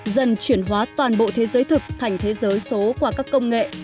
dần chuyển hóa toàn bộ thế giới thực thành thế giới số qua các công nghệ